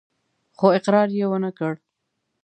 خو اقرار يې ونه کړ.